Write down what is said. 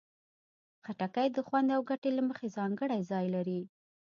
خټکی د خوند او ګټې له مخې ځانګړی ځای لري.